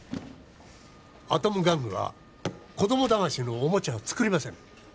アトム玩具は子供だましのおもちゃは作りません